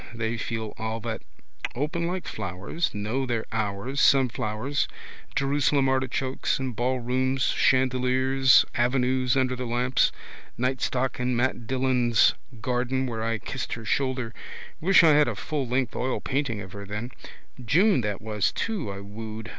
They feel all that. Open like flowers, know their hours, sunflowers, Jerusalem artichokes, in ballrooms, chandeliers, avenues under the lamps. Nightstock in Mat Dillon's garden where I kissed her shoulder. Wish I had a full length oilpainting of her then. June that was too I wooed.